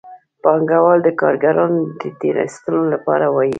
پانګوال د کارګرانو د تېر ایستلو لپاره وايي